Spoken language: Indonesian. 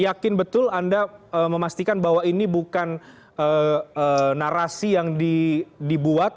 yakin betul anda memastikan bahwa ini bukan narasi yang dibuat